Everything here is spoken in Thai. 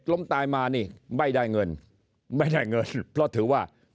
ล้มตายมานี่ไม่ได้เงินไม่ได้เงินเพราะถือว่า